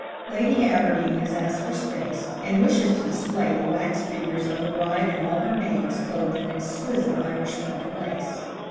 Lady Aberdeen has asked for space, and wishes to display the wax figures of a bride and all her maids clothed in exquisite Irish point lace.